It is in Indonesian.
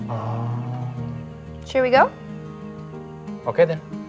apa kita pergi